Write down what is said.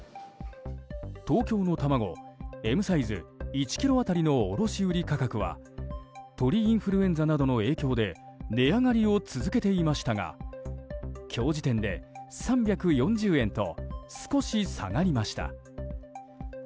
東京の卵、Ｍサイズ１ｋｇ当たりの卸売価格は鳥インフルエンザなどの影響で値上がりを続けていましたが今日時点で、３４０円と少し下がりました。